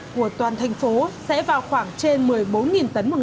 của toàn thành phố sẽ vào khoảng trên một mươi bốn kg